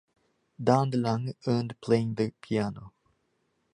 Daan de Lange earned playing the piano.